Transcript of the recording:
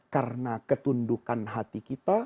karena ketundukan hati kita